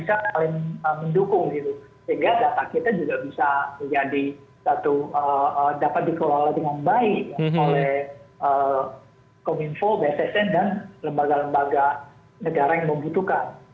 sehingga data kita juga bisa menjadi satu dapat dikelola dengan baik oleh kominfo bssn dan lembaga lembaga negara yang membutuhkan